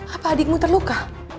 apa adikmu terluka